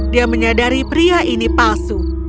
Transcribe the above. dia menyadari pria ini palsu